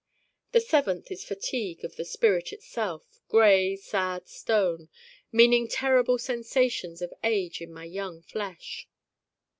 the seventh is Fatigue of the spirit itself, gray sad stone, meaning terrible sensations of age in my young flesh.